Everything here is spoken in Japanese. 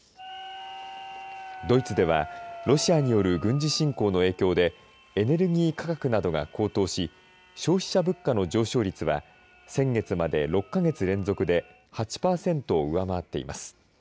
ドイツではロシアによる軍事侵攻の影響でエネルギー価格などが高騰し消費者物価の上昇率は先月まで６か月連続で８パーセントを上回っています。